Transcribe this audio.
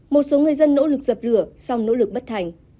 một số người dân nỗ lực dập lửa xong nỗ lực bất thành